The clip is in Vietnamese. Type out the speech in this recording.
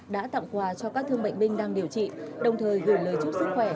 đã tặng quà cho các thương bệnh binh đang điều trị đồng thời gửi lời chúc sức khỏe